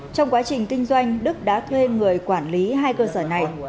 trong quá trình kinh doanh đức đã thuê người quản lý hai cơ sở này